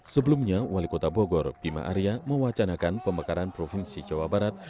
sebelumnya wali kota bogor bima arya mewacanakan pemekaran provinsi jawa barat